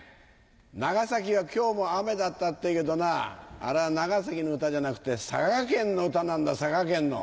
「長崎は今日も雨だった」って言うけどなあれは長崎の歌じゃなくて佐賀県の歌なんだ佐賀県の。